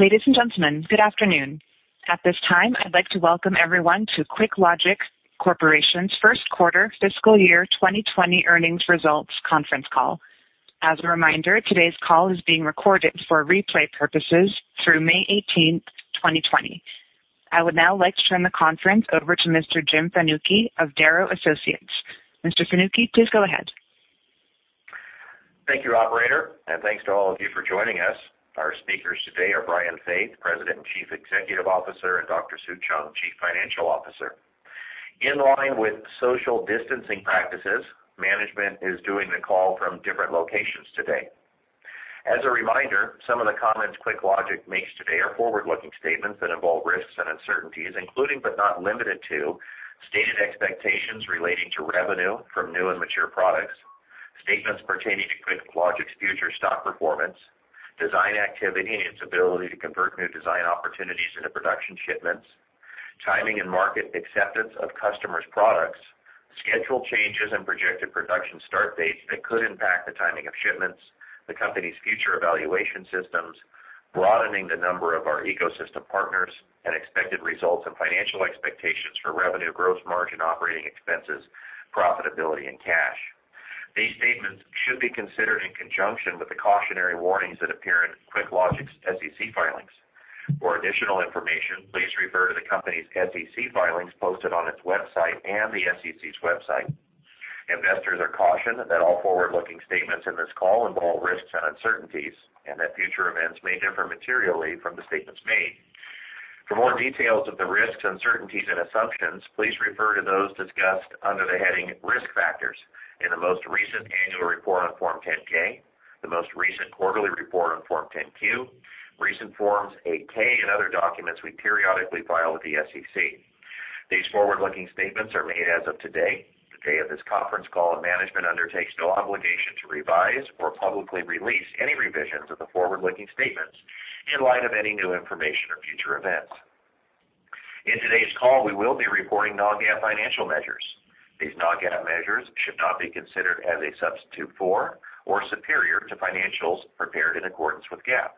Ladies and gentlemen, good afternoon. At this time, I'd like to welcome everyone to QuickLogic Corporation's first quarter fiscal year 2020 earnings results conference call. As a reminder, today's call is being recorded for replay purposes through May 18th, 2020. I would now like to turn the conference over to Mr. Jim Fanucchi of Darrow Associates. Mr. Fanucchi, please go ahead. Thank you, operator, and thanks to all of you for joining us. Our speakers today are Brian Faith, President and Chief Executive Officer, and Dr. Sue Cheung, Chief Financial Officer. In line with social distancing practices, management is doing the call from different locations today. As a reminder, some of the comments QuickLogic makes today are forward-looking statements that involve risks and uncertainties, including but not limited to stated expectations relating to revenue from new and mature products, statements pertaining to QuickLogic's future stock performance, design activity, and its ability to convert new design opportunities into production shipments, timing and market acceptance of customers' products, schedule changes and projected production start dates that could impact the timing of shipments, the company's future evaluation systems, broadening the number of our ecosystem partners, and expected results and financial expectations for revenue growth, margin, operating expenses, profitability, and cash. These statements should be considered in conjunction with the cautionary warnings that appear in QuickLogic's SEC filings. For additional information, please refer to the company's SEC filings posted on its website and the SEC's website. Investors are cautioned that all forward-looking statements in this call involve risks and uncertainties, and that future events may differ materially from the statements made. For more details of the risks, uncertainties, and assumptions, please refer to those discussed under the heading Risk Factors in the most recent annual report on Form 10-K, the most recent quarterly report on Form 10-Q, recent Forms 8-K, and other documents we periodically file with the SEC. These forward-looking statements are made as of today, the day of this conference call, and management undertakes no obligation to revise or publicly release any revisions of the forward-looking statements in light of any new information or future events. In today's call, we will be reporting non-GAAP financial measures. These non-GAAP measures should not be considered as a substitute for or superior to financials prepared in accordance with GAAP.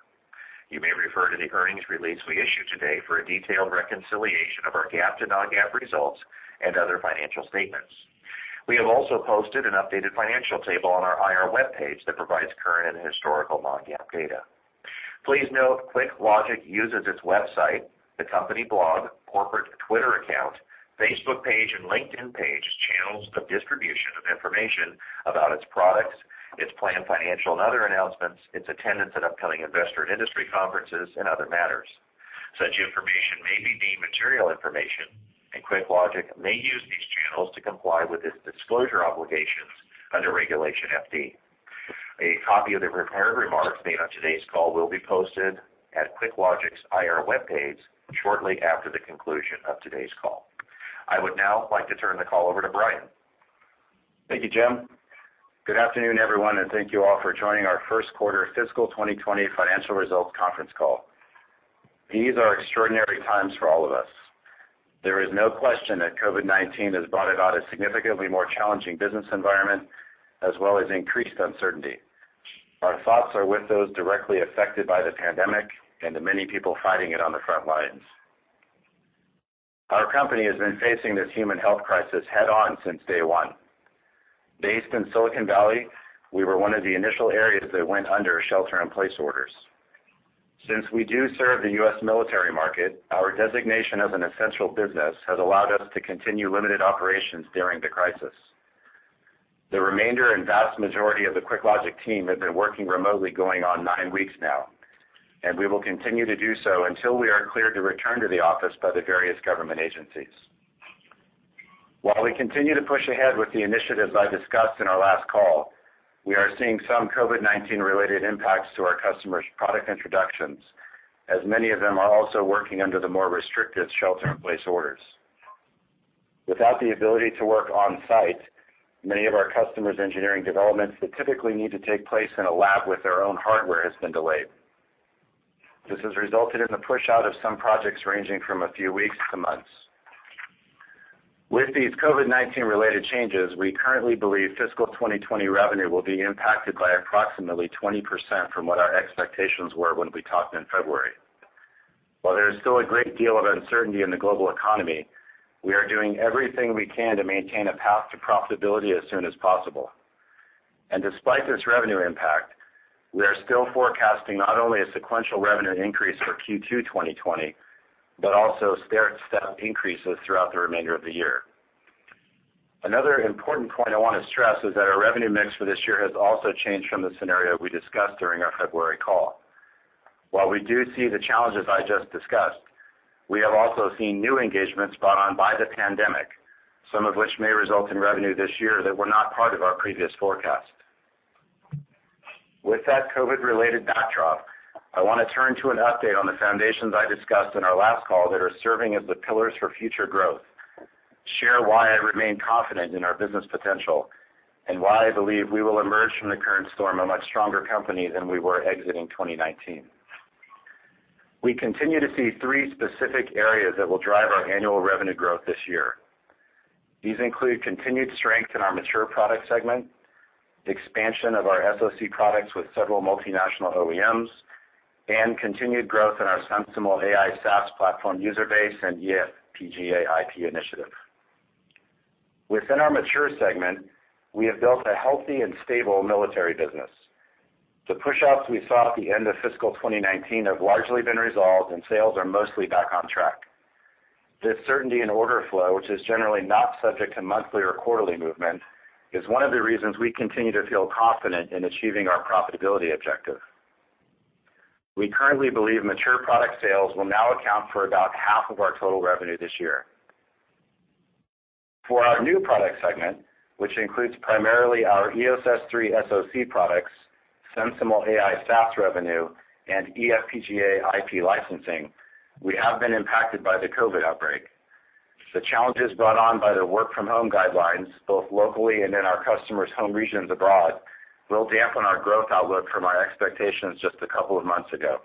You may refer to the earnings release we issued today for a detailed reconciliation of our GAAP to non-GAAP results and other financial statements. We have also posted an updated financial table on our IR webpage that provides current and historical non-GAAP data. Please note, QuickLogic uses its website, the company blog, corporate Twitter account, Facebook page, and LinkedIn page as channels of distribution of information about its products, its planned financial and other announcements, its attendance at upcoming investor and industry conferences, and other matters. Such information may be deemed material information, and QuickLogic may use these channels to comply with its disclosure obligations under Regulation FD. A copy of the prepared remarks made on today's call will be posted at QuickLogic's IR webpage shortly after the conclusion of today's call. I would now like to turn the call over to Brian. Thank you, Jim. Good afternoon, everyone, and thank you all for joining our first quarter fiscal 2020 financial results conference call. These are extraordinary times for all of us. There is no question that COVID-19 has brought about a significantly more challenging business environment, as well as increased uncertainty. Our thoughts are with those directly affected by the pandemic and the many people fighting it on the front lines. Our company has been facing this human health crisis head-on since day one. Based in Silicon Valley, we were one of the initial areas that went under shelter-in-place orders. Since we do serve the U.S. military market, our designation as an essential business has allowed us to continue limited operations during the crisis. The remainder and vast majority of the QuickLogic team have been working remotely going on nine weeks now, and we will continue to do so until we are cleared to return to the office by the various government agencies. While we continue to push ahead with the initiatives I discussed in our last call, we are seeing some COVID-19 related impacts to our customers' product introductions, as many of them are also working under the more restrictive shelter-in-place orders. Without the ability to work on-site, many of our customers' engineering developments that typically need to take place in a lab with their own hardware has been delayed. This has resulted in a push-out of some projects ranging from a few weeks to months. With these COVID-19 related changes, we currently believe fiscal 2020 revenue will be impacted by approximately 20% from what our expectations were when we talked in February. While there is still a great deal of uncertainty in the global economy, we are doing everything we can to maintain a path to profitability as soon as possible. Despite this revenue impact, we are still forecasting not only a sequential revenue increase for Q2 2020, but also increases throughout the remainder of the year. Another important point I want to stress is that our revenue mix for this year has also changed from the scenario we discussed during our February call. While we do see the challenges I just discussed, we have also seen new engagements brought on by the pandemic, some of which may result in revenue this year that were not part of our previous forecast. With that COVID-related backdrop, I want to turn to an update on the foundations I discussed in our last call that are serving as the pillars for future growth, share why I remain confident in our business potential, and why I believe we will emerge from the current storm a much stronger company than we were exiting 2019. These include continued strength in our mature product segment, the expansion of our SoC products with several multinational OEMs, and continued growth in our SensiML AI SaaS platform user base and eFPGA IP initiative. Within our mature segment, we have built a healthy and stable military business. The pushouts we saw at the end of fiscal 2019 have largely been resolved, Sales are mostly back on track. This certainty in order flow, which is generally not subject to monthly or quarterly movement, is one of the reasons we continue to feel confident in achieving our profitability objective. We currently believe mature product sales will now account for about half of our total revenue this year. For our new product segment, which includes primarily our EOS S3 SoC products, SensiML AI SaaS revenue, and eFPGA IP licensing, we have been impacted by the COVID-19 outbreak. The challenges brought on by the work-from-home guidelines, both locally and in our customers' home regions abroad, will dampen our growth outlook from our expectations just a couple of months ago.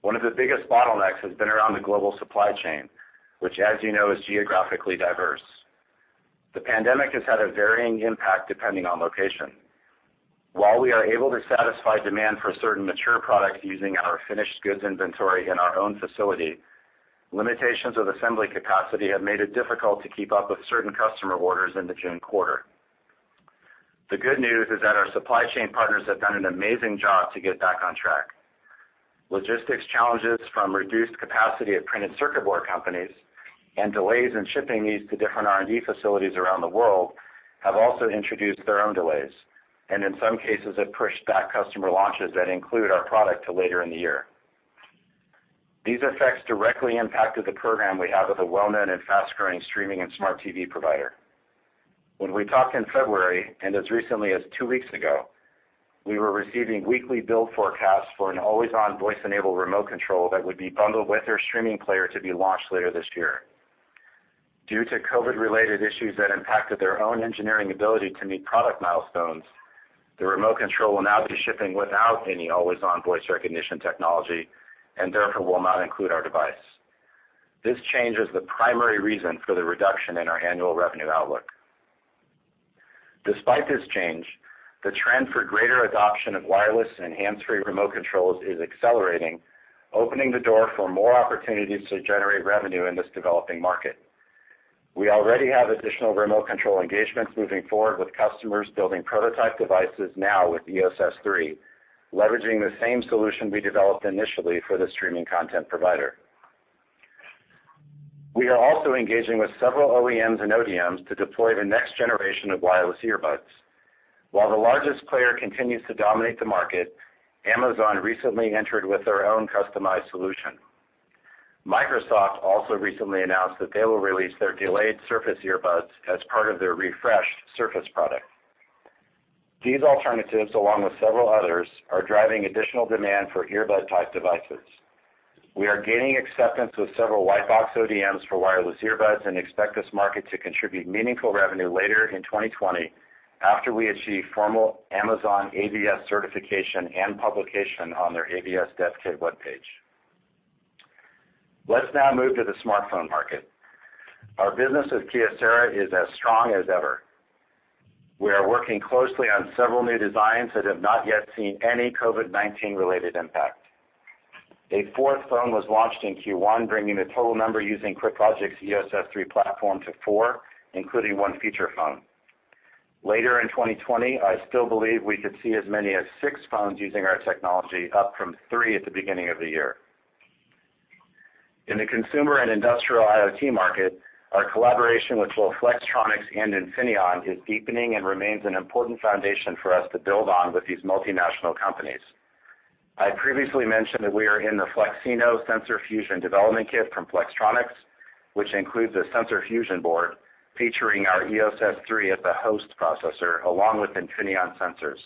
One of the biggest bottlenecks has been around the global supply chain, which, as you know, is geographically diverse. The pandemic has had a varying impact depending on location. While we are able to satisfy demand for certain mature products using our finished goods inventory in our own facility, limitations of assembly capacity have made it difficult to keep up with certain customer orders in the June quarter. The good news is that our supply chain partners have done an amazing job to get back on track. Logistics challenges from reduced capacity at printed circuit board companies and delays in shipping these to different R&D facilities around the world have also introduced their own delays, and in some cases have pushed back customer launches that include our product to later in the year. These effects directly impacted the program we have with a well-known and fast-growing streaming and smart TV provider. When we talked in February, and as recently as two weeks ago, we were receiving weekly build forecasts for an always-on voice-enabled remote control that would be bundled with their streaming player to be launched later this year. Due to COVID-related issues that impacted their own engineering ability to meet product milestones, the remote control will now be shipping without any always-on voice recognition technology, and therefore will not include our device. This change is the primary reason for the reduction in our annual revenue outlook. Despite this change, the trend for greater adoption of wireless and hands-free remote controls is accelerating, opening the door for more opportunities to generate revenue in this developing market. We already have additional remote control engagements moving forward with customers building prototype devices now with EOS S3, leveraging the same solution we developed initially for the streaming content provider. We are also engaging with several OEMs and ODMs to deploy the next generation of wireless earbuds. While the largest player continues to dominate the market, Amazon recently entered with their own customized solution. Microsoft also recently announced that they will release their delayed Surface Earbuds as part of their refreshed Surface product. These alternatives, along with several others, are driving additional demand for earbud-type devices. We are gaining acceptance with several white box ODMs for wireless earbuds and expect this market to contribute meaningful revenue later in 2020 after we achieve formal Amazon AVS certification and publication on their AVS Dev Kit webpage. Let's now move to the smartphone market. Our business with Kyocera is as strong as ever. We are working closely on several new designs that have not yet seen any COVID-19 related impact. A fourth phone was launched in Q1, bringing the total number using QuickLogic's EOS S3 platform to four, including one feature phone. Later in 2020, I still believe we could see as many as six phones using our technology, up from three at the beginning of the year. In the consumer and industrial IoT market, our collaboration with both Flextronics and Infineon is deepening and remains an important foundation for us to build on with these multinational companies. I previously mentioned that we are in the FLEXino Sensor Fusion development kit from Flextronics, which includes a sensor fusion board featuring our EOS S3 as the host processor, along with Infineon sensors.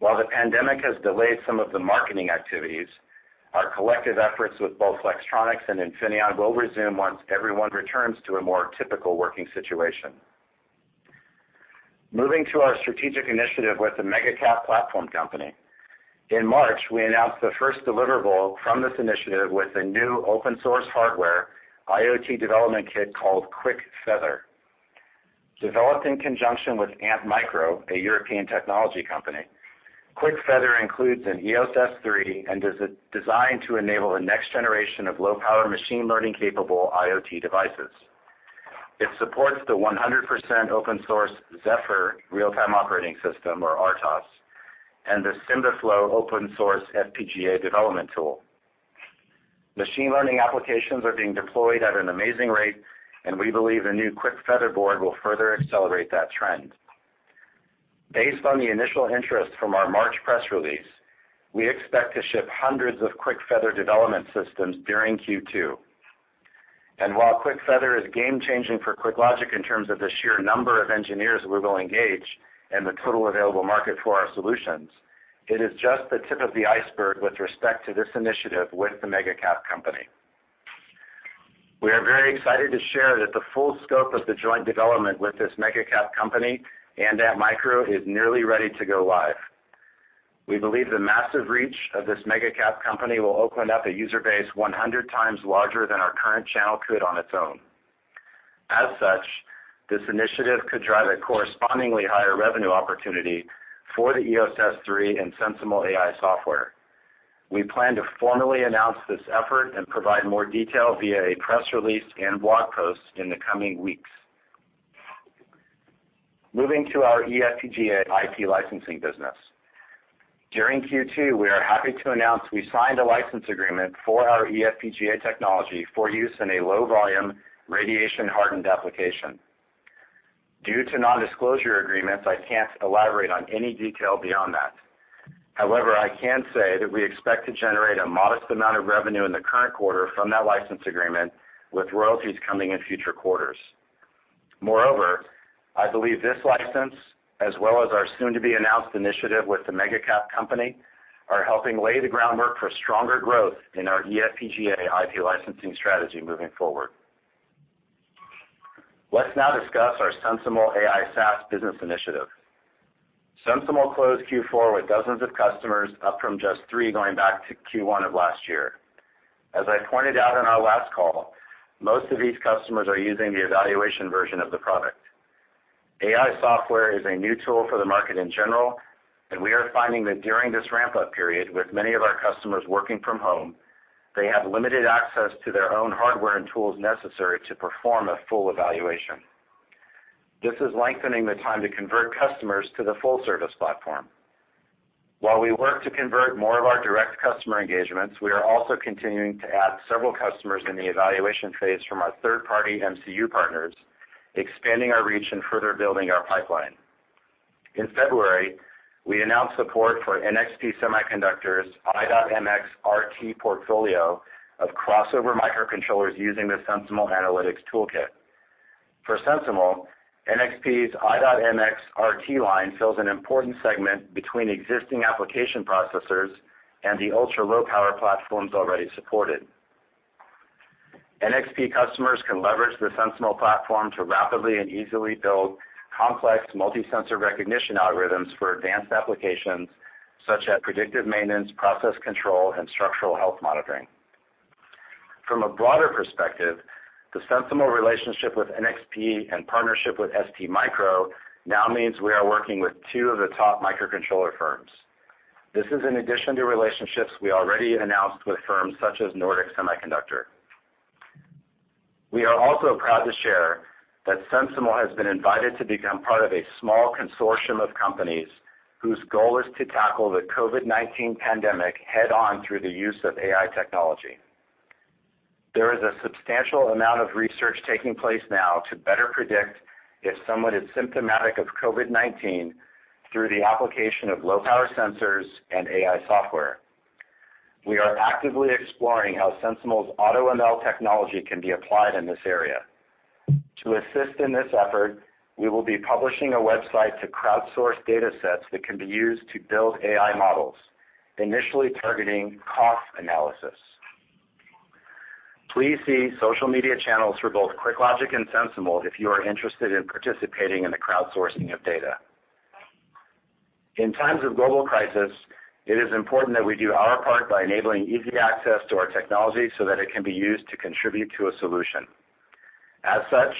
While the pandemic has delayed some of the marketing activities, our collective efforts with both Flextronics and Infineon will resume once everyone returns to a more typical working situation. Moving to our strategic initiative with the mega cap platform company. In March, we announced the first deliverable from this initiative with a new open-source hardware IoT development kit called QuickFeather. Developed in conjunction with Antmicro, a European technology company, QuickFeather includes an EOS S3 and is designed to enable a next generation of low-power machine learning capable IoT devices. It supports the 100% open source Zephyr real-time operating system, or RTOS, and the SymbiFlow open-source FPGA development tool. Machine learning applications are being deployed at an amazing rate, we believe the new QuickFeather board will further accelerate that trend. Based on the initial interest from our March press release, we expect to ship hundreds of QuickFeather development systems during Q2. While QuickFeather is game-changing for QuickLogic in terms of the sheer number of engineers we will engage and the total available market for our solutions, it is just the tip of the iceberg with respect to this initiative with the mega cap company. We are very excited to share that the full scope of the joint development with this mega cap company and Antmicro is nearly ready to go live. We believe the massive reach of this mega-cap company will open up a user base 100 times larger than our current channel could on its own. As such, this initiative could drive a correspondingly higher revenue opportunity for the EOS S3 and SensiML AI software. We plan to formally announce this effort and provide more detail via a press release and blog post in the coming weeks. Moving to our eFPGA IP licensing business. During Q2, we are happy to announce we signed a license agreement for our eFPGA technology for use in a low-volume radiation-hardened application. Due to non-disclosure agreements, I can't elaborate on any detail beyond that. However, I can say that we expect to generate a modest amount of revenue in the current quarter from that license agreement, with royalties coming in future quarters. Moreover, I believe this license, as well as our soon-to-be-announced initiative with the mega-cap company, are helping lay the groundwork for stronger growth in our eFPGA IP licensing strategy moving forward. Let's now discuss our SensiML AI SaaS business initiative. SensiML closed Q4 with dozens of customers, up from just three going back to Q1 of last year. As I pointed out on our last call, most of these customers are using the evaluation version of the product. AI software is a new tool for the market in general, and we are finding that during this ramp-up period, with many of our customers working from home, they have limited access to their own hardware and tools necessary to perform a full evaluation. This is lengthening the time to convert customers to the full-service platform. While we work to convert more of our direct customer engagements, we are also continuing to add several customers in the evaluation phase from our third-party MCU partners, expanding our reach and further building our pipeline. In February, we announced support for NXP Semiconductors' i.MX RT portfolio of crossover microcontrollers using the SensiML Analytics Toolkit. For SensiML, NXP's i.MX RT line fills an important segment between existing application processors and the ultra-low-power platforms already supported. NXP customers can leverage the SensiML platform to rapidly and easily build complex multi-sensor recognition algorithms for advanced applications such as predictive maintenance, process control, and structural health monitoring. From a broader perspective, the SensiML relationship with NXP and partnership with STMicro now means we are working with two of the top microcontroller firms. This is in addition to relationships we already announced with firms such as Nordic Semiconductor. We are also proud to share that SensiML has been invited to become part of a small consortium of companies whose goal is to tackle the COVID-19 pandemic head-on through the use of AI technology. There is a substantial amount of research taking place now to better predict if someone is symptomatic of COVID-19 through the application of low-power sensors and AI software. We are actively exploring how SensiML's AutoML technology can be applied in this area. To assist in this effort, we will be publishing a website to crowdsource datasets that can be used to build AI models, initially targeting cough analysis. Please see social media channels for both QuickLogic and SensiML if you are interested in participating in the crowdsourcing of data. In times of global crisis, it is important that we do our part by enabling easy access to our technology so that it can be used to contribute to a solution. As such,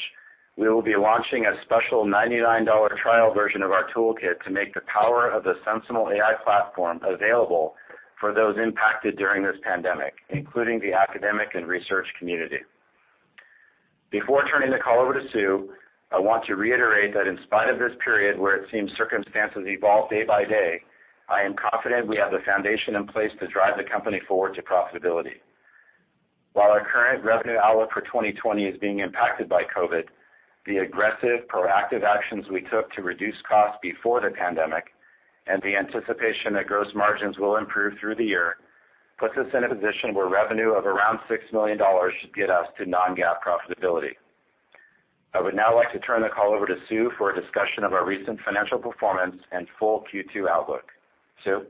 we will be launching a special $99 trial version of our toolkit to make the power of the SensiML AI platform available for those impacted during this pandemic, including the academic and research community. Before turning the call over to Sue, I want to reiterate that in spite of this period where it seems circumstances evolve day by day, I am confident we have the foundation in place to drive the company forward to profitability. While our current revenue outlook for 2020 is being impacted by COVID, the aggressive, proactive actions we took to reduce costs before the pandemic and the anticipation that gross margins will improve through the year puts us in a position where revenue of around $6 million should get us to non-GAAP profitability. I would now like to turn the call over to Sue for a discussion of our recent financial performance and full Q2 outlook. Sue?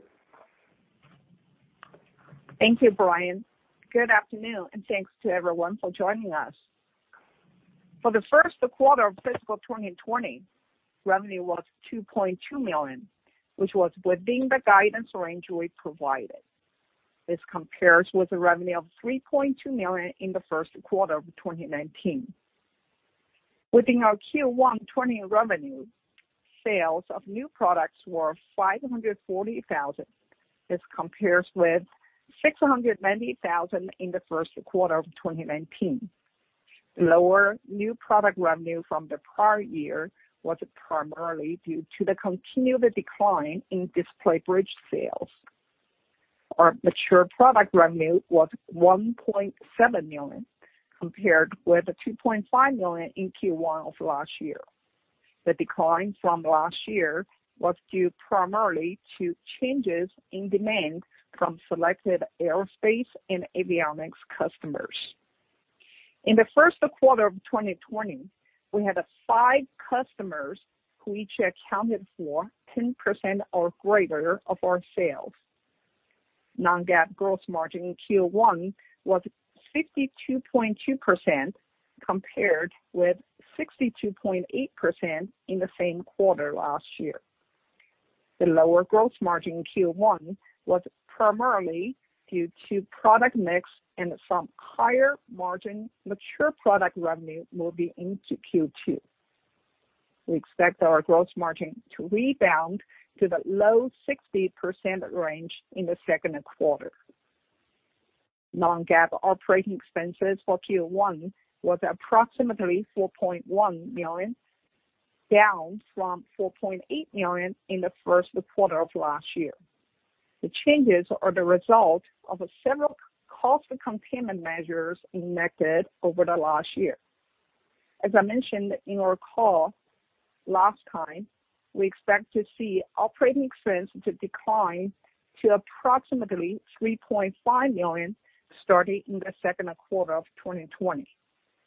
Thank you, Brian. Good afternoon, and thanks to everyone for joining us. For the first quarter of fiscal 2020, revenue was $2.2 million, which was within the guidance range we provided. This compares with the revenue of $3.2 million in the first quarter of 2019. Within our Q1 2020 revenue, sales of new products were $540,000. This compares with $690,000 in the first quarter of 2019. Lower new product revenue from the prior year was primarily due to the continued decline in display bridge sales. Our mature product revenue was $1.7 million, compared with $2.5 million in Q1 of last year. The decline from last year was due primarily to changes in demand from selected aerospace and avionics customers. In the first quarter of 2020, we had five customers who each accounted for 10% or greater of our sales. Non-GAAP gross margin in Q1 was 52.2%, compared with 62.8% in the same quarter last year. The lower gross margin in Q1 was primarily due to product mix and some higher margin mature product revenue moving into Q2. We expect our gross margin to rebound to the low 60% range in the second quarter. Non-GAAP operating expenses for Q1 was approximately $4.1 million, down from $4.8 million in the first quarter of last year. The changes are the result of several cost containment measures enacted over the last year. As I mentioned in our call last time, we expect to see operating expense to decline to approximately $3.5 million starting in the second quarter of 2020,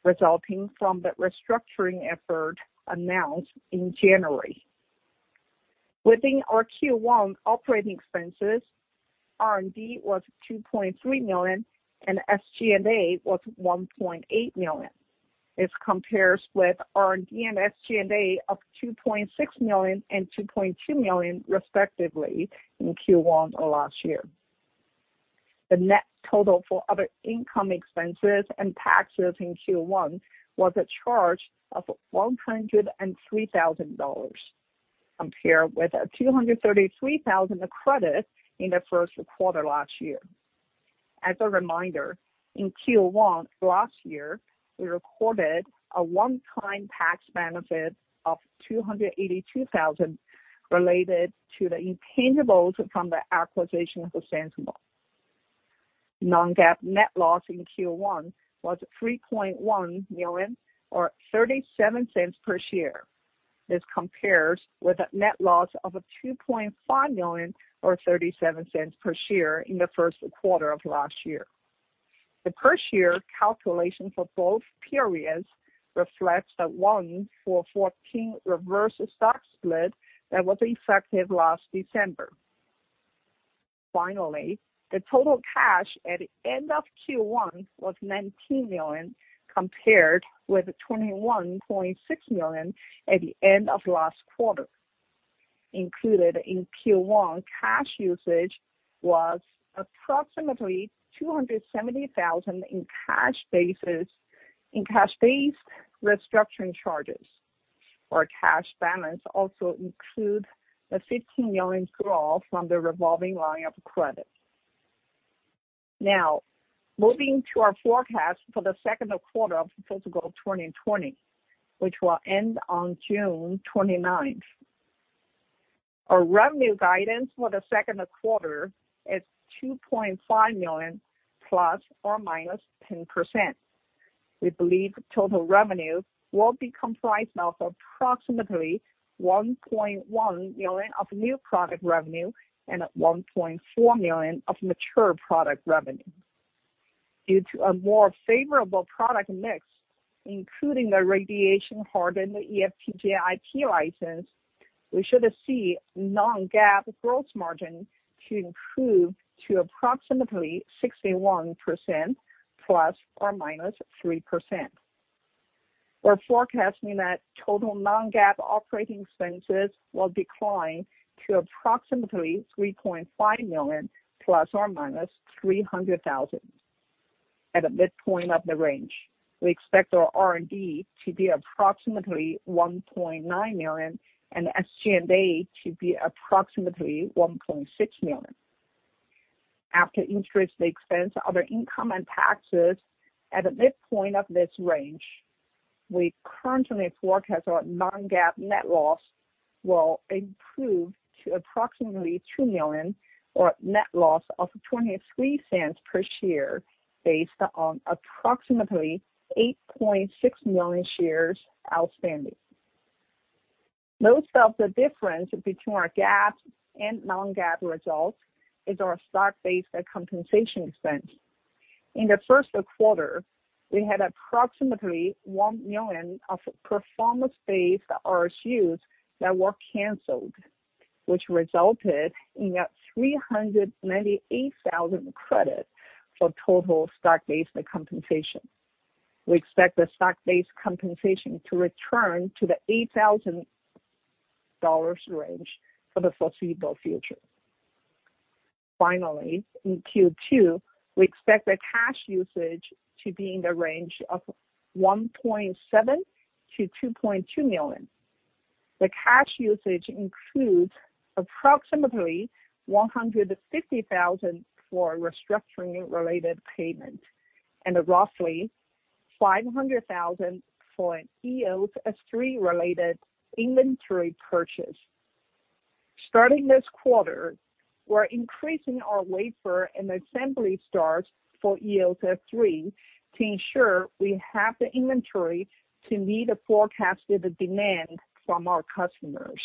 resulting from the restructuring effort announced in January. Within our Q1 operating expenses, R&D was $2.3 million and SG&A was $1.8 million. This compares with R&D and SG&A of $2.6 million and $2.2 million respectively in Q1 of last year. The net total for other income expenses and taxes in Q1 was a charge of $103,000, compared with a $233,000 credit in the first quarter last year. As a reminder, in Q1 of last year, we recorded a one-time tax benefit of $282,000 related to the intangibles from the acquisition of SensiML. Non-GAAP net loss in Q1 was $3.1 million or $0.37 per share. This compares with a net loss of $2.5 million or $0.37 per share in the first quarter of last year. The per share calculation for both periods reflects the 1-for-14 reverse stock split that was effective last December. The total cash at the end of Q1 was $19 million, compared with $21.6 million at the end of last quarter. Included in Q1, cash usage was approximately $270,000 in cash-based restructuring charges. Our cash balance also includes the $15 million draw from the revolving line of credit. Moving to our forecast for the second quarter of fiscal 2020, which will end on June 29th. Our revenue guidance for the second quarter is $2.5 million ±10%. We believe total revenue will be comprised of approximately $1.1 million of new product revenue and $1.4 million of mature product revenue. Due to a more favorable product mix, including the radiation-hardened eFPGA IP license, we should see non-GAAP gross margin to improve to approximately 61% ±3%. We're forecasting that total non-GAAP operating expenses will decline to approximately $3.5 million, ±$300,000 at the midpoint of the range. We expect our R&D to be approximately $1.9 million and SG&A to be approximately $1.6 million. After interest expense, other income and taxes at the midpoint of this range, we currently forecast our non-GAAP net loss will improve to approximately $2 million or a net loss of $0.23 per share based on approximately 8.6 million shares outstanding. Most of the difference between our GAAP and non-GAAP results is our stock-based compensation expense. In the first quarter, we had approximately $1 million of performance-based RSUs that were canceled, which resulted in a $398,000 credit for total stock-based compensation. We expect the stock-based compensation to return to the [$800,000] range for the foreseeable future. Finally, in Q2, we expect the cash usage to be in the range of $1.7 million-$2.2 million. The cash usage includes approximately $150,000 for restructuring related payment and roughly $500,000 for an EOS S3 related inventory purchase. Starting this quarter, we are increasing our wafer and assembly starts for EOS S3 to ensure we have the inventory to meet the forecasted demand from our customers.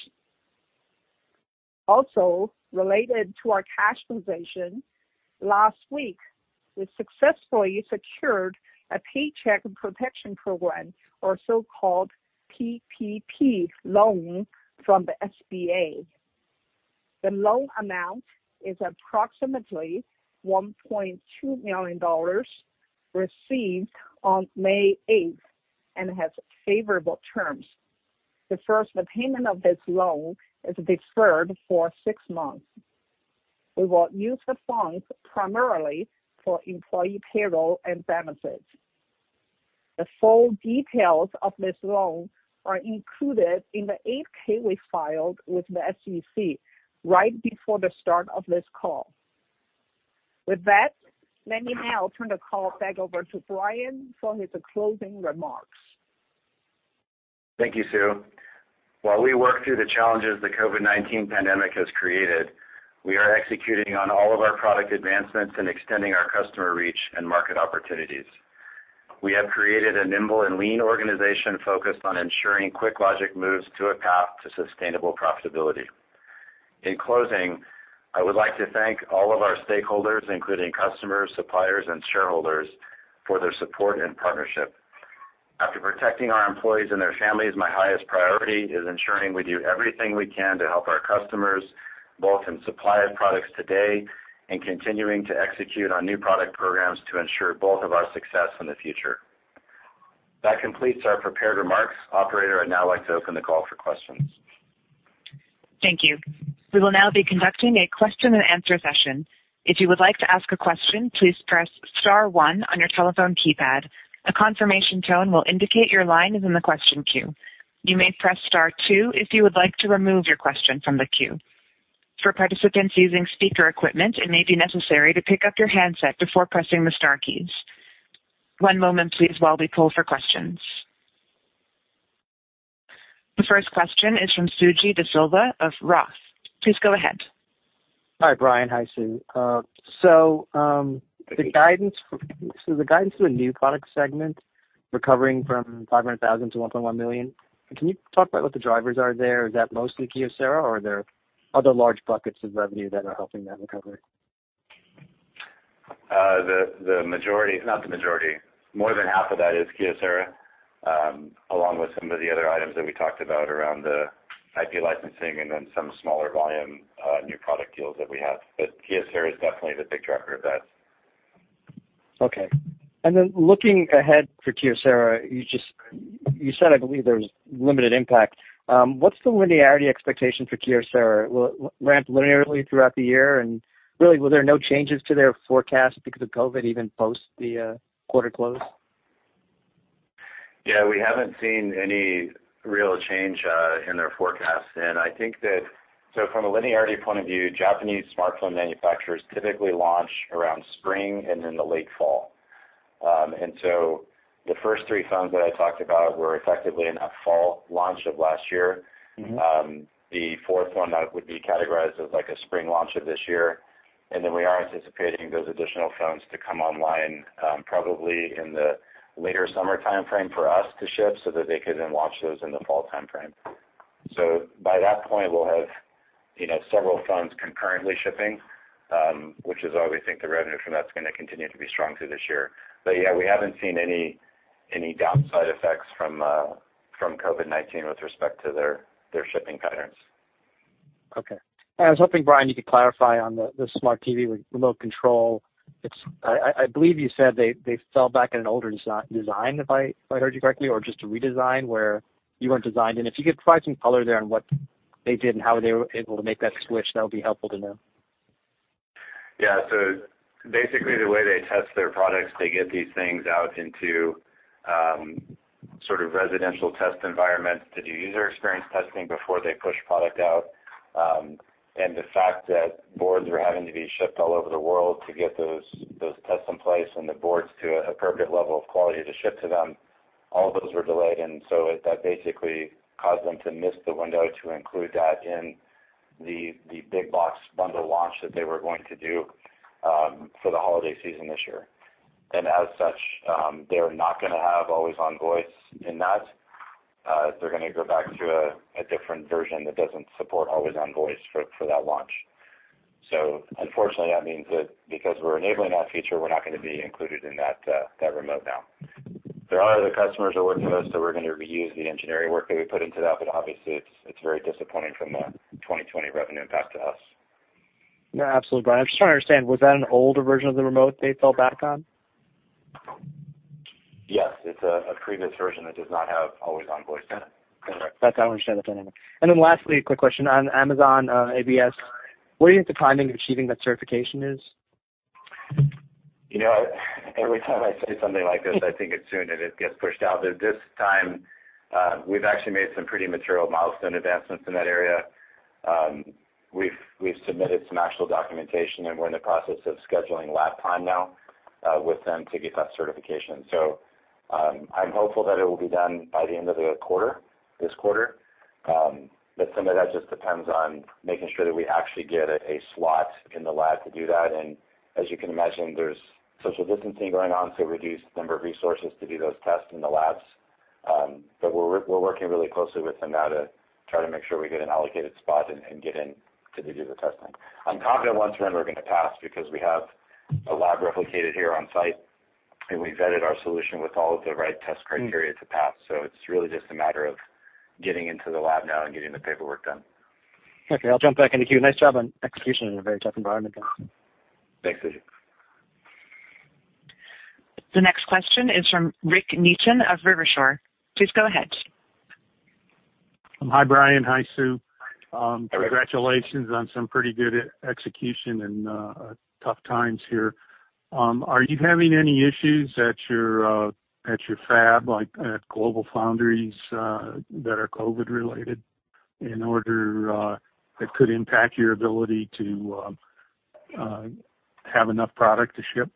Related to our cash position, last week we successfully secured a Paycheck Protection Program, or so-called PPP loan from the SBA. The loan amount is approximately $1.2 million, received on May 8th, and has favorable terms. The first repayment of this loan is deferred for six months. We will use the funds primarily for employee payroll and benefits. The full details of this loan are included in the 8-K we filed with the SEC right before the start of this call. With that, let me now turn the call back over to Brian for his closing remarks. Thank you, Sue. While we work through the challenges the COVID-19 pandemic has created, we are executing on all of our product advancements and extending our customer reach and market opportunities. We have created a nimble and lean organization focused on ensuring QuickLogic moves to a path to sustainable profitability. In closing, I would like to thank all of our stakeholders, including customers, suppliers, and shareholders, for their support and partnership. After protecting our employees and their families, my highest priority is ensuring we do everything we can to help our customers, both in supply of products today and continuing to execute on new product programs to ensure both of our success in the future. That completes our prepared remarks. Operator, I'd now like to open the call for questions. Thank you. We will now be conducting a question-and-answer session. If you would like to ask a question, please press star one on your telephone keypad. A confirmation tone will indicate your line is in the question queue. You may press star two if you would like to remove your question from the queue. For participants using speaker equipment, it may be necessary to pick up your handset before pressing the star keys. One moment, please, while we pull for questions. The first question is from Suji Desilva of Roth. Please go ahead. Hi, Brian. Hi, Sue. The guidance to a new product segment recovering from $500,000 to $1.1 million. Can you talk about what the drivers are there? Is that mostly Kyocera, or are there other large buckets of revenue that are helping that recovery? More than half of that is Kyocera, along with some of the other items that we talked about around the IP licensing and then some smaller volume new product deals that we have. Kyocera is definitely the big driver of that. Okay. Looking ahead for Kyocera, you said, I believe, there was limited impact. What's the linearity expectation for Kyocera? Will it ramp linearly throughout the year? Were there no changes to their forecast because of COVID, even post the quarter close? Yeah, we haven't seen any real change in their forecast. From a linearity point of view, Japanese smartphone manufacturers typically launch around spring and in the late fall. The first three phones that I talked about were effectively in a fall launch of last year. The fourth one that would be categorized as like a spring launch of this year. We are anticipating those additional phones to come online, probably in the later summer timeframe for us to ship so that they can then launch those in the fall timeframe. By that point, we'll have several phones concurrently shipping, which is why we think the revenue from that's going to continue to be strong through this year. Yeah, we haven't seen any downside effects from COVID-19 with respect to their shipping patterns. Okay. I was hoping, Brian, you could clarify on the smart TV remote control. I believe you said they fell back on an older design, if I heard you correctly, or just a redesign where you weren't designed in. If you could provide some color there on what they did and how they were able to make that switch, that would be helpful to know. Yeah. Basically, the way they test their products, they get these things out into sort of residential test environments to do user experience testing before they push product out. The fact that boards were having to be shipped all over the world to get those tests in place and the boards to an appropriate level of quality to ship to them, all of those were delayed, that basically caused them to miss the window to include that in the big box bundle launch that they were going to do for the holiday season this year. As such, they're not going to have always-on-voice in that. They're going to go back to a different version that doesn't support always-on-voice for that launch. Unfortunately, that means that because we're enabling that feature, we're not going to be included in that remote now. There are other customers that work with us that were going to reuse the engineering work that we put into that, but obviously, it's very disappointing from a 2020 revenue impact to us. Yeah, absolutely. Brian, I'm just trying to understand, was that an older version of the remote they fell back on? Yes. It's a previous version that does not have always-on-voice in it. Correct. That's how I understand that dynamic. Then lastly, a quick question on Amazon AVS. What do you think the timing of achieving that certification is? Every time I say something like this, I think it's soon, and it gets pushed out. This time, we've actually made some pretty material milestone advancements in that area. We've submitted some actual documentation, and we're in the process of scheduling lab time now with them to get that certification. I'm hopeful that it will be done by the end of the quarter, this quarter. Some of that just depends on making sure that we actually get a slot in the lab to do that, and as you can imagine, there's social distancing going on, so it reduced the number of resources to do those tests in the labs. We're working really closely with them now to try to make sure we get an allocated spot and get in to do the testing. I'm confident once we're in, we're going to pass because we have a lab replicated here on site, and we've vetted our solution with all of the right test criteria to pass. It's really just a matter of getting into the lab now and getting the paperwork done. Okay, I'll jump back in the queue. Nice job on execution in a very tough environment, though. Thanks, Suji. The next question is from Rick Neaton of Rivershore. Please go ahead. Hi, Brian. Hi, Sue. Hi, Rick. Congratulations on some pretty good execution in tough times here. Are you having any issues at your fab, like at GlobalFoundries, that are COVID-related, that could impact your ability to have enough product to ship?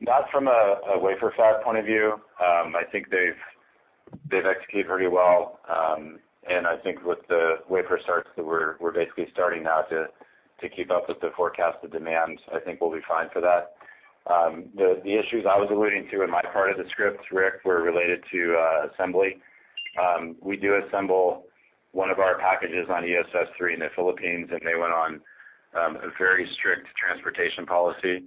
Not from a wafer fab point of view. I think they've executed very well. I think with the wafer starts that we're basically starting now to keep up with the forecasted demand, I think we'll be fine for that. The issues I was alluding to in my part of the script, Rick, were related to assembly. We do assemble one of our packages on EOS S3 in the Philippines, and they went on a very strict transportation policy,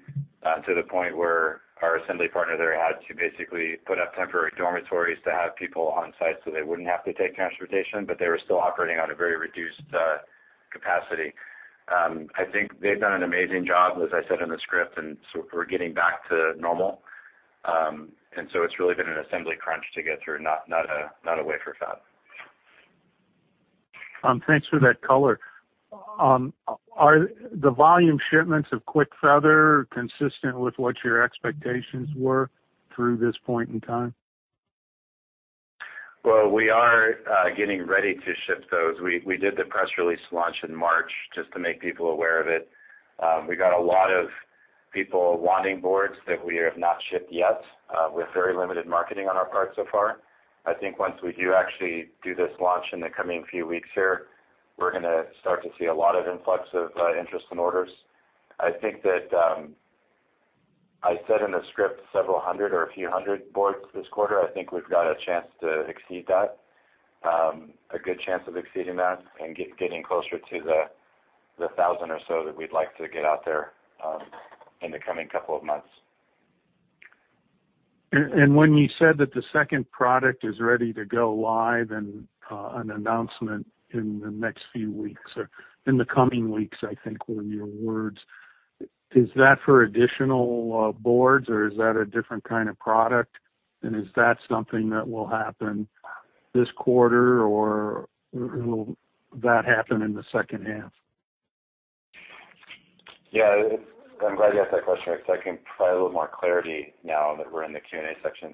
to the point where our assembly partner there had to basically put up temporary dormitories to have people on site, so they wouldn't have to take transportation, but they were still operating at a very reduced capacity. I think they've done an amazing job, as I said in the script, and we're getting back to normal. It's really been an assembly crunch to get through, not a wafer fab. Thanks for that color. Are the volume shipments of QuickFeather consistent with what your expectations were through this point in time? Well, we are getting ready to ship those. We did the press release launch in March just to make people aware of it. We got a lot of people wanting boards that we have not shipped yet. We have very limited marketing on our part so far. I think once we do actually do this launch in the coming few weeks here, we're going to start to see a lot of influx of interest and orders. I think that I said in the script several hundred or a few hundred boards this quarter. I think we've got a chance to exceed that, a good chance of exceeding that and getting closer to the 1,000 or so that we'd like to get out there in the coming couple of months. When you said that the second product is ready to go live, and an announcement in the next few weeks or in the coming weeks, I think were your words, is that for additional boards, or is that a different kind of product? Is that something that will happen this quarter, or will that happen in the second half? Yeah, I'm glad you asked that question, Rick, so I can provide a little more clarity now that we're in the Q&A section.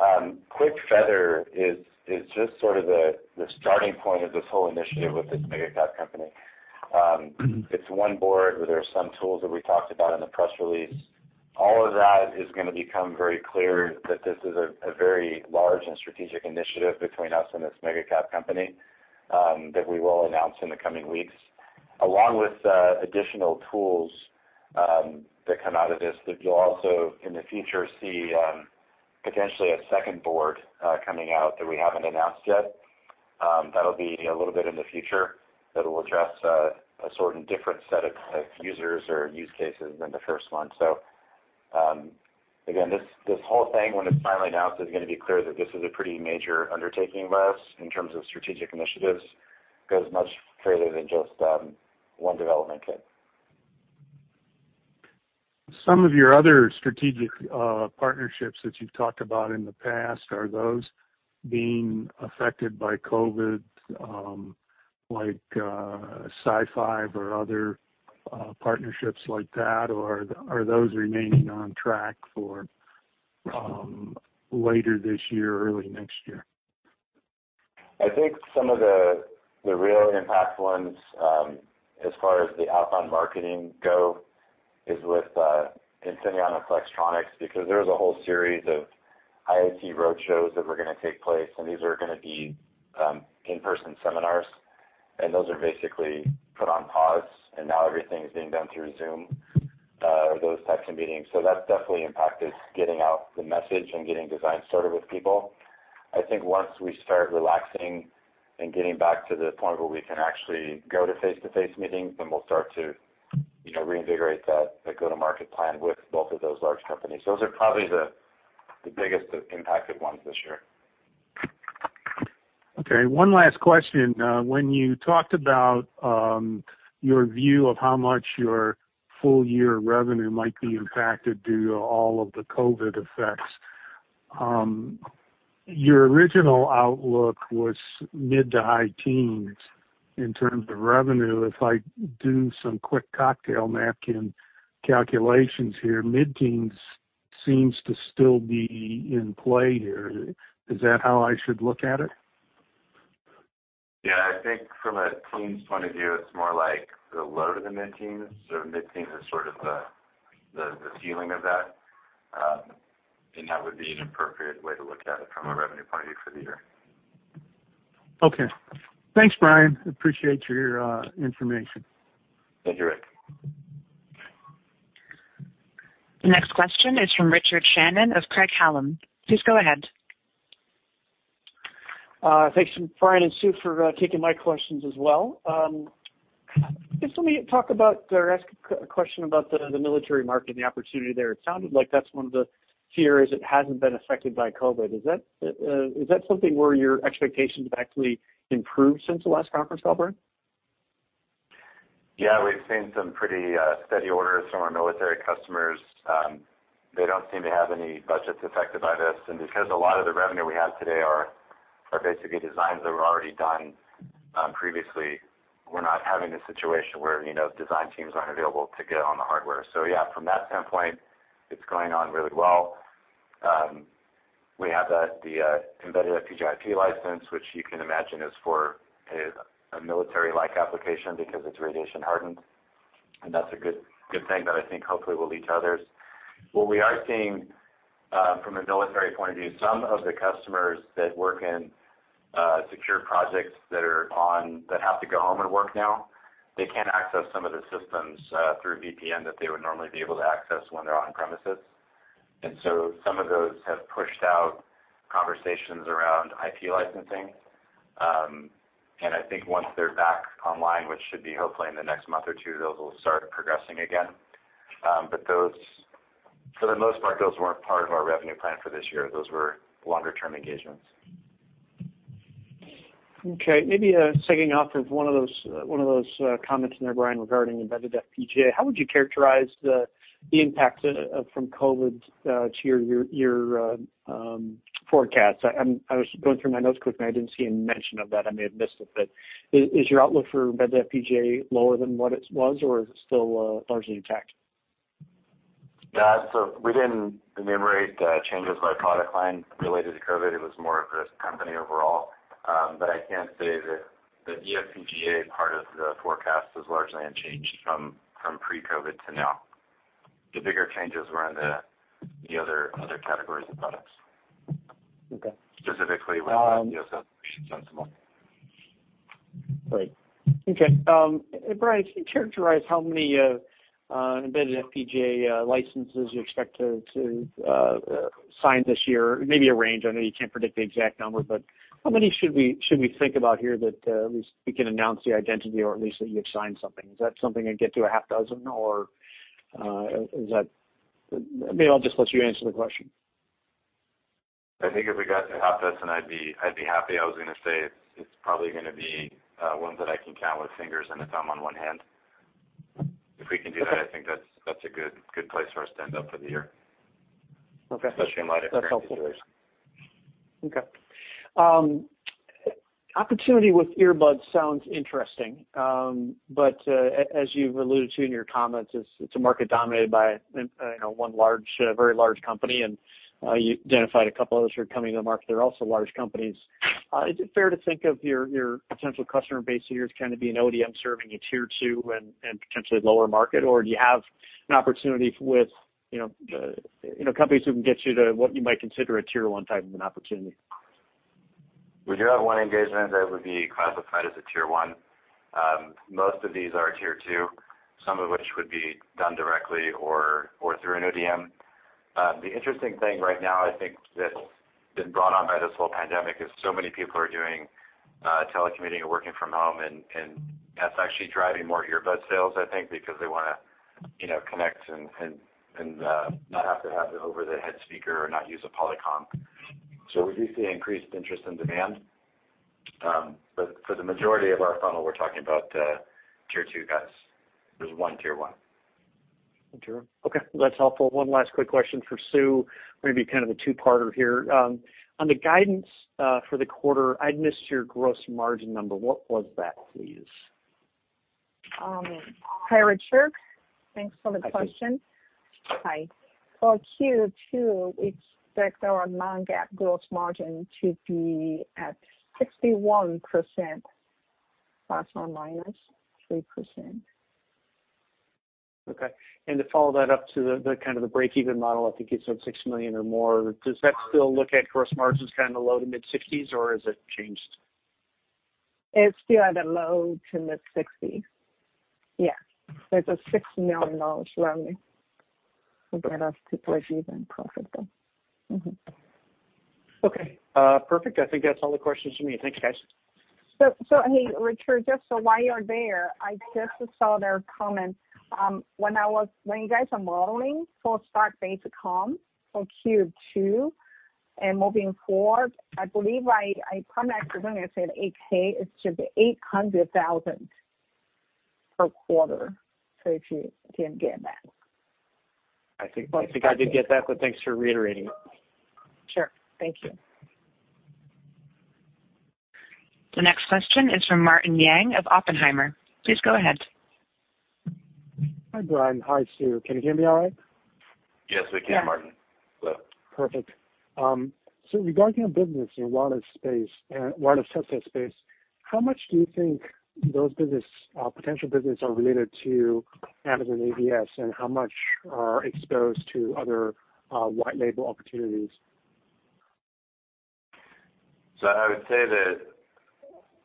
QuickFeather is just sort of the starting point of this whole initiative with this mega cap company. It's one board where there are some tools that we talked about in the press release. All of that is going to become very clear that this is a very large and strategic initiative between us and this mega cap company that we will announce in the coming weeks, along with additional tools that come out of this, that you'll also, in the future, see potentially a second board coming out that we haven't announced yet. That'll be a little bit in the future. That'll address a sort of different set of users or use cases than the first one. Again, this whole thing, when it's finally announced, is going to be clear that this is a pretty major undertaking by us in terms of strategic initiatives. It goes much further than just one development kit. Some of your other strategic partnerships that you've talked about in the past, are those being affected by COVID, like SiFive or other partnerships like that, or are those remaining on track for later this year or early next year? I think some of the real impact ones, as far as the outbound marketing go, is with Infineon and Flextronics, because there is a whole series of IoT road shows that were going to take place, and these were going to be in-person seminars. Those are basically put on pause, Now everything is being done through Zoom, or those types of meetings. That's definitely impacted getting out the message and getting designs sorted with people. I think once we start relaxing and getting back to the point where we can actually go to face-to-face meetings, then we'll start to reinvigorate that go-to-market plan with both of those large companies. Those are probably the biggest impacted ones this year. Okay, one last question. When you talked about your view of how much your full-year revenue might be impacted due to all of the COVID effects, your original outlook was mid to high teens in terms of revenue. If I do some quick cocktail napkin calculations here, mid-teens seems to still be in play here. Is that how I should look at it? Yeah, I think from a teens point of view, it's more like the low to the mid-teens or mid-teens is sort of the ceiling of that. That would be an appropriate way to look at it from a revenue point of view for the year. Okay. Thanks, Brian. Appreciate your information. Thank you, Rick. The next question is from Richard Shannon of Craig-Hallum. Please go ahead. Thanks, Brian and Sue, for taking my questions as well. Just let me talk about, or ask a question about the military market and the opportunity there. It sounded like that's one of the fears, it hasn't been affected by COVID. Is that something where your expectations have actually improved since the last conference call, Brian? Yeah, we've seen some pretty steady orders from our military customers. They don't seem to have any budgets affected by this. Because a lot of the revenue we have today are basically designs that were already done previously, we're not having a situation where design teams aren't available to get on the hardware. Yeah, from that standpoint, it's going on really well. We have the embedded FPGA IP license, which you can imagine is for a military-like application because it's radiation hardened, and that's a good thing that I think hopefully will lead to others. What we are seeing from a military point of view, some of the customers that work in secure projects that have to go home and work now, they can't access some of the systems through VPN that they would normally be able to access when they're on premises. Some of those have pushed out conversations around IP licensing. I think once they're back online, which should be hopefully in the next month or two, those will start progressing again. For the most part, those weren't part of our revenue plan for this year. Those were longer-term engagements. Okay, maybe segueing off of one of those comments in there, Brian, regarding embedded FPGA, how would you characterize the impact from COVID to your forecasts? I was going through my notes quickly, and I didn't see any mention of that. I may have missed it, but is your outlook for embedded FPGA lower than what it was, or is it still largely intact? Yeah, we didn't enumerate changes by product line related to COVID. It was more of the company overall. I can say that the eFPGA part of the forecast is largely unchanged from pre-COVID to now. The bigger changes were in the other categories of products- Okay. Specifically with the SoC solutions on mobile. Great. Okay. Brian, can you characterize how many embedded FPGA licenses you expect to sign this year? Maybe a range. I know you can't predict the exact number. How many should we think about here that at least we can announce the identity or at least that you have signed something? Is that something that get to a half dozen? Maybe I'll just let you answer the question. I think if we got to a half dozen, I'd be happy. I was going to say it's probably going to be ones that I can count with fingers and a thumb on one hand. If we can do that, I think that's a good place for us to end up for the year- Okay. Especially in light of recent situations. That's helpful. Okay. Opportunity with earbuds sounds interesting. As you've alluded to in your comments, it's a market dominated by one very large company, and you identified a couple others who are coming to the market that are also large companies. Is it fair to think of your potential customer base here as kind of being an ODM serving a tier 2 and potentially lower market, or do you have an opportunity with companies who can get you to what you might consider a tier 1 type of an opportunity? We do have 1 engagement that would be classified as a tier 1. Most of these are tier 2, some of which would be done directly or through an ODM. The interesting thing right now, I think that's been brought on by this whole pandemic is so many people are doing telecommuting and working from home, and that's actually driving more earbud sales, I think, because they want to connect and not have to have the over-the-head speaker or not use a Polycom. We do see increased interest and demand. For the majority of our funnel, we're talking about tier 2 guys. There's 1 tier 1. One tier 1. Okay, that's helpful. One last quick question for Sue. Maybe kind of a two-parter here. On the guidance for the quarter, I'd missed your gross margin number. What was that, please? Hi, Richard. Thanks for the question. Hi, Sue. Hi. For Q2, we expect our non-GAAP gross margin to be at 61%, ±3%. Okay. To follow that up to the kind of the break-even model, I think you said $6 million or more. Does that still look at gross margins kind of the low to mid 60s, or has it changed? It's still at the low to mid 60s. Yeah. There's a $6 million revenue to get us to break-even profitable. Mm-hmm. Okay, perfect. I think that's all the questions from me. Thanks, guys. Hey, Richard, just so while you're there, I just saw their comments. When you guys are modeling for stock-based comp for Q2 and moving forward, I believe I I said $8,000, it should be $800,000 per quarter. If you didn't get that. I think I did get that, but thanks for reiterating it. Sure. Thank you. The next question is from Martin Yang of Oppenheimer. Please go ahead. Hi, Brian. Hi, Sue. Can you hear me all right? Yes, we can, Martin. Yeah. Perfect. Regarding your business in wireless space and wireless headset space, how much do you think those potential business are related to Amazon AVS, and how much are exposed to other white label opportunities? I would say that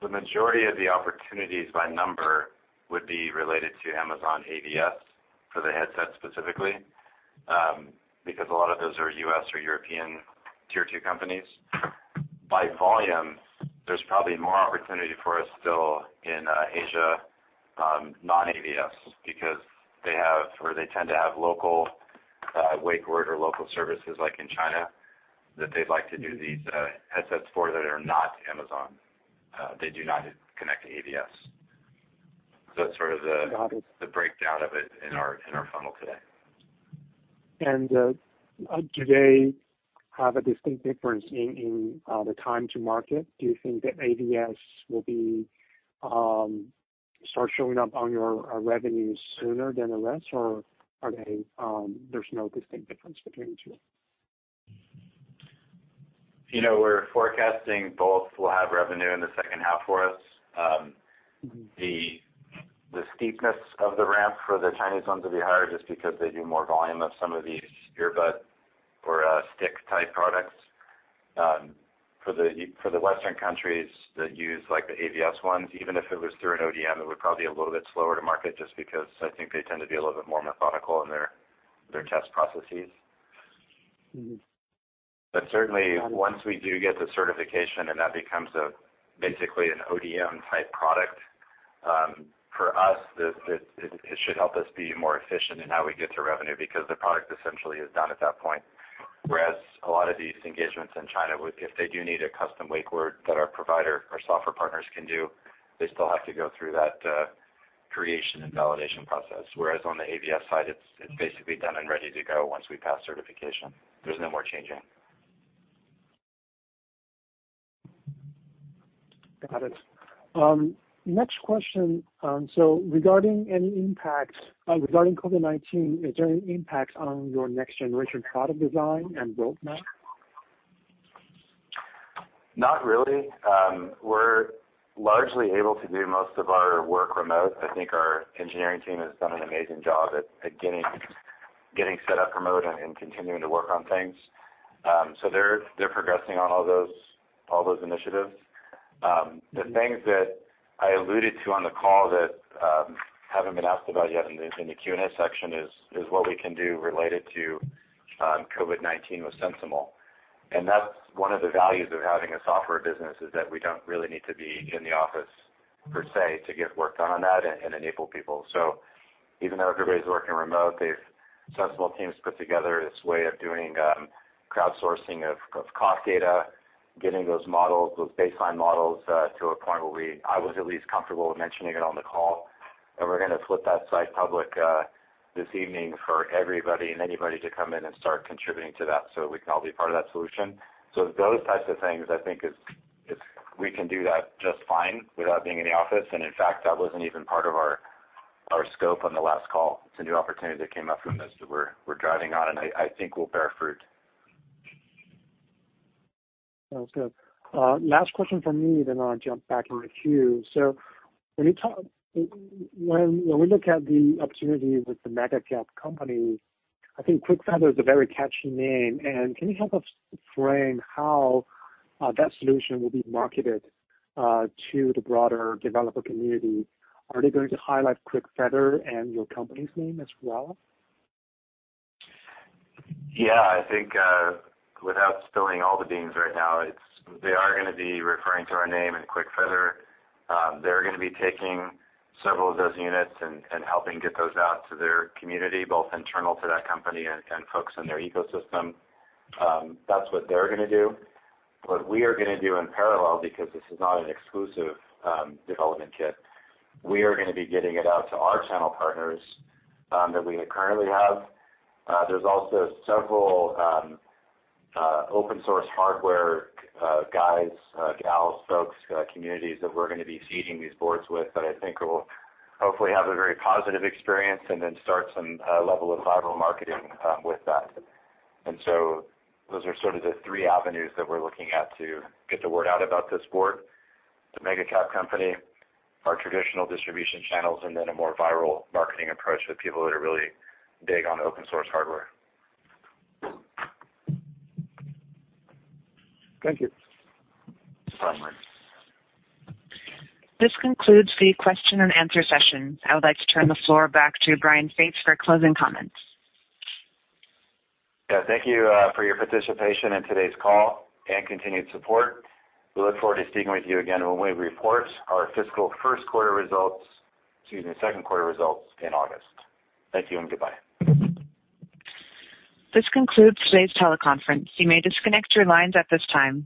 the majority of the opportunities by number would be related to Amazon AVS for the headset specifically, because a lot of those are U.S. or European tier 2 companies. By volume, there's probably more opportunity for us still in Asia, non-AVS, because they tend to have local wake word or local services like in China, that they'd like to do these headsets for that are not Amazon. They do not connect to AVS. Got it. That's the breakdown of it in our funnel today. Do they have a distinct difference in the time to market? Do you think that AVS will start showing up on your revenues sooner than the rest, or there's no distinct difference between the two? We're forecasting both will have revenue in the second half for us. The steepness of the ramp for the Chinese ones will be higher just because they do more volume of some of these earbud or stick type products. For the Western countries that use the AVS ones, even if it was through an ODM, it would probably be a little bit slower to market just because I think they tend to be a little bit more methodical in their test processes. Certainly, once we do get the certification and that becomes basically an ODM type product, for us, it should help us be more efficient in how we get to revenue because the product essentially is done at that point. A lot of these engagements in China, if they do need a custom wake word that our provider or software partners can do, they still have to go through that creation and validation process. On the AVS side, it's basically done and ready to go once we pass certification. There's no more changing. Got it. Next question. Regarding COVID-19, is there any impact on your next generation product design and roadmap? Not really. We're largely able to do most of our work remote. I think our engineering team has done an amazing job at getting set up remote and continuing to work on things. They're progressing on all those initiatives. The things that I alluded to on the call that haven't been asked about yet in the Q&A section is what we can do related to COVID-19 with SensiML. That's one of the values of having a software business, is that we don't really need to be in the office per se to get work done on that and enable people. Even though everybody's working remote, the SensiML team's put together this way of doing crowdsourcing of cough data, getting those baseline models to a point where I was at least comfortable with mentioning it on the call, and we're going to flip that site public this evening for everybody and anybody to come in and start contributing to that so we can all be part of that solution. Those types of things, I think we can do that just fine without being in the office. In fact, that wasn't even part of our scope on the last call. It's a new opportunity that came up from this that we're driving on, and I think will bear fruit. Sounds good. Last question from me, then I'll jump back in the queue. When we look at the opportunity with the mega cap company, I think QuickFeather is a very catchy name. Can you help us frame how that solution will be marketed to the broader developer community? Are they going to highlight QuickFeather and your company's name as well? Yeah, I think, without spilling all the beans right now, they are going to be referring to our name and QuickFeather. They're going to be taking several of those units and helping get those out to their community, both internal to that company and folks in their ecosystem. That's what they're going to do. What we are going to do in parallel, because this is not an exclusive development kit, we are going to be getting it out to our channel partners that we currently have. There's also several open source hardware guys, gals, folks, communities that we're going to be seeding these boards with that I think will hopefully have a very positive experience and then start some level of viral marketing with that. Those are sort of the three avenues that we're looking at to get the word out about this board, the mega cap company, our traditional distribution channels, and then a more viral marketing approach with people that are really big on open source hardware. Thank you. No problem. This concludes the question-and-answer session. I would like to turn the floor back to Brian Faith for closing comments. Yeah, thank you for your participation in today's call and continued support. We look forward to speaking with you again when we report our fiscal second quarter results in August. Thank you and goodbye. This concludes today's teleconference. You may disconnect your lines at this time.